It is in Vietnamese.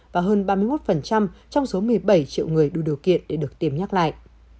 và hơn ba mươi một trong số một mươi bảy triệu người đủ điều kiện để được tiêm nhắc lại